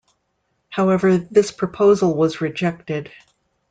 However, this proposal was rejected.